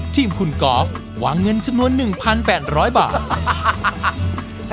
ทีมคุณกอล์ฟวางเงินจำนวน๑๘๐๐บาท